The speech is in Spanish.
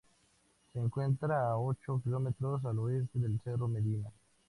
Se encuentra a ocho kilómetros al oeste del Cerro Medina.